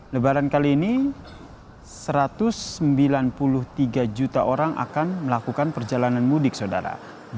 lebaran kali ini satu ratus sembilan puluh tiga juta orang akan melakukan perjalanan mudik saudara